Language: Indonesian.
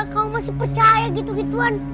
kau masih percaya gitu gituan